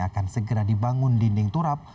akan segera dibangun dinding turap